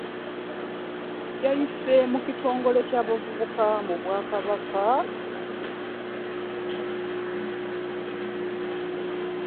Yayise mu kitongole ky'abavubuka mu bwakabaka ki Buganda Youth Council